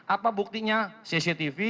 apa buktinya cctv